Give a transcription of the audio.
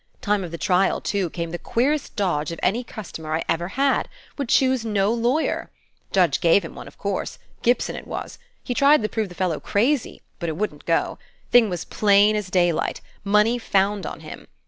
Time of the trial, too, came the queerest dodge of any customer I ever had. Would choose no lawyer. Judge gave him one, of course. Gibson it Was. He tried to prove the fellow crazy; but it wouldn't go. Thing was plain as daylight: money found on him.